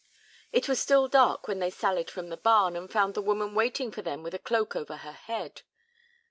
It was still dark when they sallied from the barn, and found the woman waiting for them with a cloak over her head.